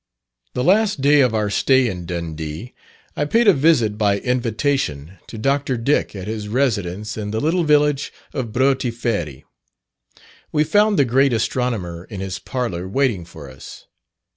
The last day of our stay in Dundee, I paid a visit, by invitation, to Dr. Dick, at his residence in the little village of Broughty Ferry. We found the great astronomer in his parlour waiting for us.